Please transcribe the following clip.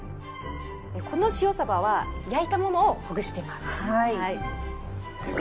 この塩サバは焼いたものをほぐしてます。